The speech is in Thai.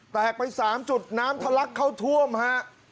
แตกไป๓จุดน้ำทะลักเข้าท่วมฮะ